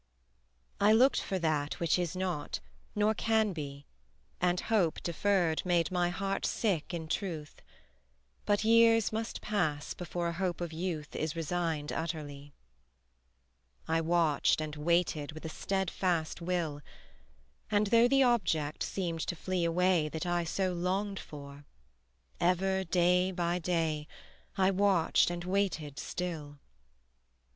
I looked for that which is not, nor can be, And hope deferred made my heart sick in truth But years must pass before a hope of youth Is resigned utterly. I watched and waited with a steadfast will: And though the object seemed to flee away That I so longed for, ever day by day I watched and waited still.